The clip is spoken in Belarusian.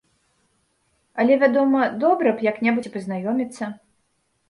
Але, вядома, добра б як-небудзь і пазнаёміцца.